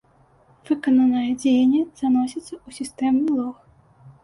Выкананае дзеянне заносіцца ў сістэмны лог.